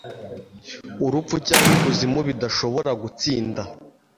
urupfu cyangwa ikuzimu bidashobora gutsinda;